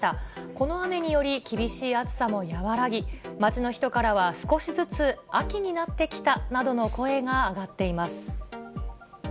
この雨により厳しい暑さも和らぎ、街の人からは少しずつ秋になってきたなどの声が上がっています。